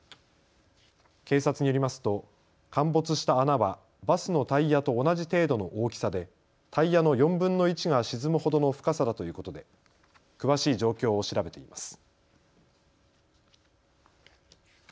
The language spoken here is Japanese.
警察によりますと陥没した穴はバスのタイヤと同じ程度の大きさでタイヤの４分の１が沈むほどの深さだということで詳しい状況を調べています。